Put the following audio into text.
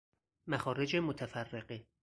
مخارج متفرقه